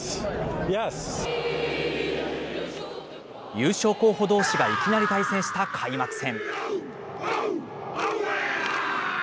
優勝候補どうしがいきなり対戦した開幕戦。